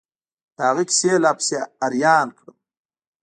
د هغه کيسې لا پسې حيران کړم.